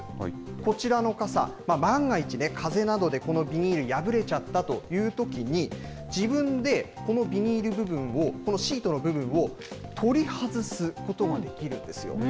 こちらの傘、万が一、風などでこのビニール、破れちゃったというときに、自分でこのビニール部分を、シートの部分を、取り外すことができるんですよ。